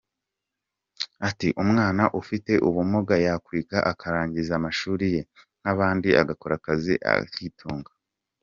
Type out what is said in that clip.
Ati “Umwana ufite ubumuga yakwiga akarangiza amashuri ye nk’abandi agakora akazi akitunga.